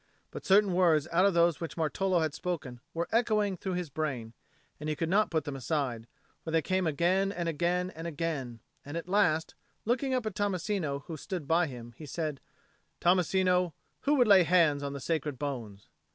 But certain words out of those which Martolo had spoken were echoing through his brain, and he could not put them aside; for they came again and again and again; and at last, looking up at Tommasino who stood by him, he said, "Tommasino, who would lay hands on the sacred bones?"